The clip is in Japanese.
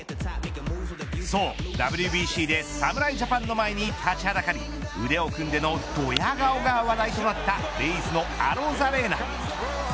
そう、ＷＢＣで侍ジャパンの前に立ちはだかり腕を組んでのドヤ顔が話題となったレイズのアロザレーナ。